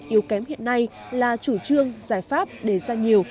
yếu kém hiện nay là chủ trương giải pháp đề ra nhiều